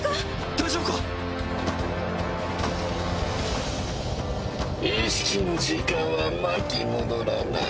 大丈夫か⁉意識の時間は巻き戻らない。